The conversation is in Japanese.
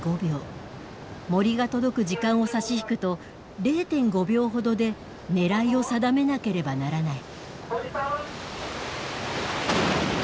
もりが届く時間を差し引くと０．５秒ほどで狙いを定めなければならない。